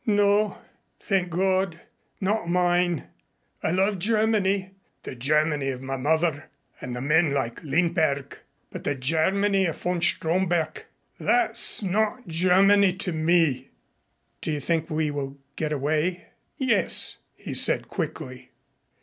"No, thank God. Not mine. I love Germany the Germany of my mother and the men like Lindberg. But the Germany of von Stromberg that's not Germany to me." "Do you think we will get away?" "Yes," he said quickly.